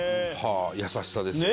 優しさですね。